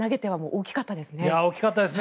大きかったですね。